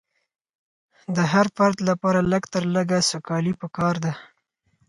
د هر فرد لپاره لږ تر لږه سوکالي پکار ده.